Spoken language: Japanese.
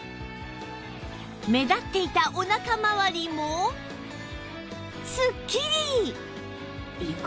目立っていたおなかまわりもすっきり！